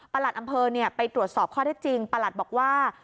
หลัดอำเภอไปตรวจสอบข้อได้จริงประหลัดบอกว่า